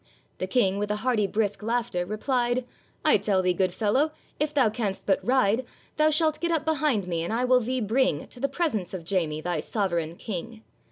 The King, with a hearty brisk laughter, replied, 'I tell thee, good fellow, if thou canst but ride, Thou shalt get up behind me, and I will thee bring To the presence of Jamie, thy sovereign King.